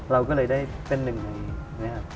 เราก็เลยได้เป็นหนึ่งในนะครับ